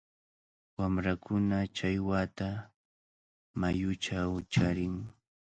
Wamrakuna challwata mayuchaw charin.